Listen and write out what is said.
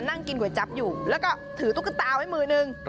นั่งกินก๋วยจั๊บอยู่แล้วก็ถือตุ๊กตาไว้มือนึง